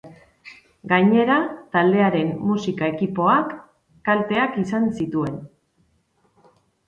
Gainera, taldearen musika-ekipoak kalteak izan zituen.